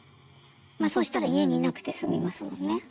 そうしたら家に居なくて済みますもんね。